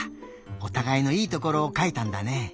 おたがいのいいところをかいたんだね。